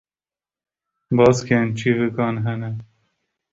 Baskên çivîkan hene.